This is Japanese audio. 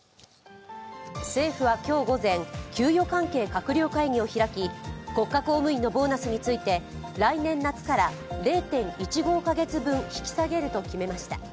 政府は今日午前、給与関係閣僚会議を開き国家公務員のボーナスについて、来年夏から０．１５カ月分引き下げると決めました。